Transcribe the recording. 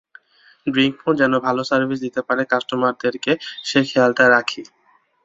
ড্রিংকমো যেন ভালো সার্ভিস দিতে পারে কাস্টোমারদের সে খেয়ালটা রাখি।